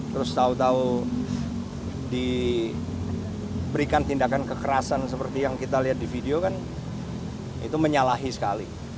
terus tahu tahu diberikan tindakan kekerasan seperti yang kita lihat di video kan itu menyalahi sekali